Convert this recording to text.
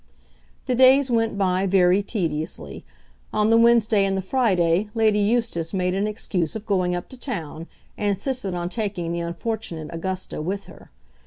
The days went by very tediously. On the Wednesday and the Friday Lady Eustace made an excuse of going up to town, and insisted on taking the unfortunate Augusta with her.